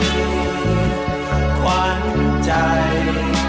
หันควันใจ